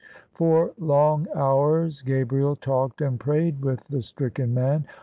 For long hours Gabriel talked and prayed with the stricken man.